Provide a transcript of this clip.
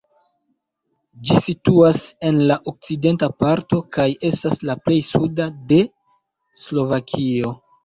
Ĝi situas en la okcidenta parto kaj estas la plej suda de Slovakio.